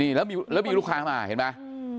แล้วมีลูกค้ามาเห็นไหม